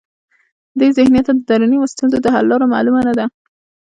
دې ذهنیت ته د دروني ستونزو د حل لاره معلومه نه ده.